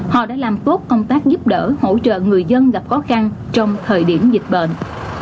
họ đã làm tốt công tác giúp đỡ hỗ trợ người dân gặp khó khăn trong thời điểm dịch bệnh